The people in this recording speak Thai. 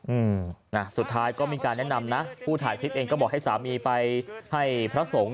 อืมน่ะสุดท้ายก็มีการแนะนำนะผู้ถ่ายคลิปเองก็บอกให้สามีไปให้พระสงฆ์